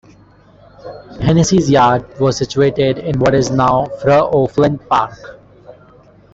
Hennessy's yard was situated in what is now Fr O'Flynn Park.